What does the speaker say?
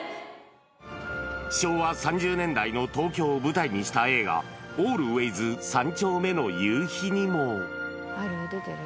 昭和３０年代の東京を舞台にした映画、ＡＬＷＡＹＳ三丁目の夕日にも。